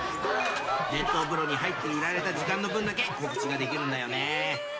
熱湯風呂に入っていられた時間の分だけ、告知ができるんだよ